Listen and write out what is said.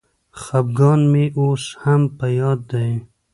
خپګان مي اوس هم په یاد دی.